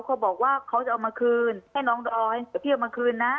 เขาบอกว่าเขาจะเอามาคืนให้น้องเอาพี่เอามาคืนนะ